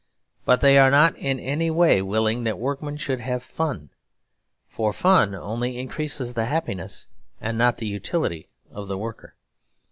But they are not in any way willing that workmen should have fun; for fun only increases the happiness and not the utility of the worker.